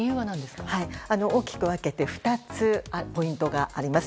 大きく分けて２つポイントがあります。